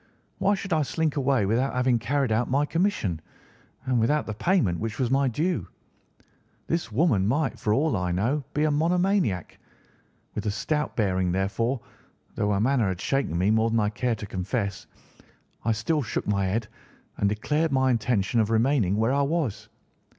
Why should I slink away without having carried out my commission, and without the payment which was my due? This woman might, for all I knew, be a monomaniac. With a stout bearing, therefore, though her manner had shaken me more than I cared to confess, I still shook my head and declared my intention of remaining where I was.